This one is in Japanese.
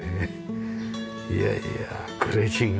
いやいやグレーチング。